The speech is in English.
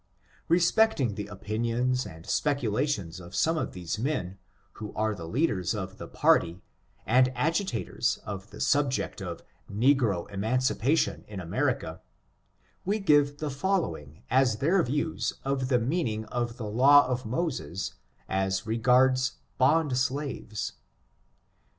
Respecting the opinions and speculations of some of these men, who arc the leaders of the party, and agitators of the subject of negro emancipation in America, we give the following as their views of the meaning of the law of Moses, as it regards bond slaves.